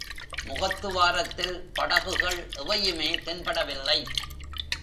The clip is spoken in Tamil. முகத்துவாரத்தில் படகுகள் எவையுமே தென்படவில்லை.